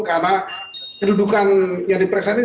karena kedudukan yang diperiksa ini